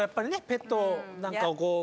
ペットなんかをこう。